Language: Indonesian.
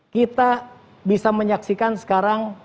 kita bisa menyaksikan sekarang